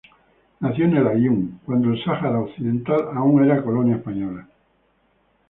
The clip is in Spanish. Nació en El Aaiún, cuando el Sáhara Occidental aún era colonia española.